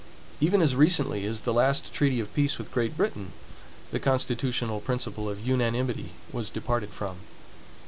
Even as recently as the last treaty of peace with Great Britain, the constitutional principle of unanimity was departed from.